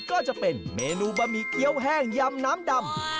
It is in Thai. ก็จะเป็นเมนูบะหมี่เกี้ยวแห้งยำน้ำดำ